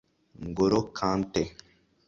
Ngol’o Kanté